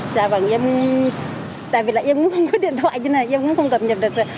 dạ bằng em tại vì là em cũng không có điện thoại cho nên là em cũng không cập nhập được rồi